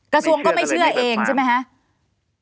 กระทรวงก็ไม่เชื่อเองใช่ไหมคะไม่เชื่อเลยไม่เชื่อความ